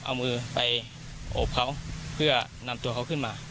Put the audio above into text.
เอามือไปโอบเขาเพื่อนำตัวเขาขึ้นมา